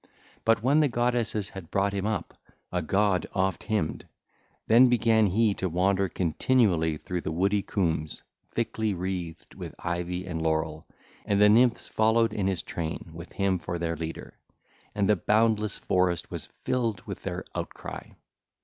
But when the goddesses had brought him up, a god oft hymned, then began he to wander continually through the woody coombes, thickly wreathed with ivy and laurel. And the Nymphs followed in his train with him for their leader; and the boundless forest was filled with their outcry.